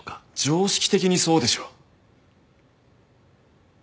常識的にそうでしょ。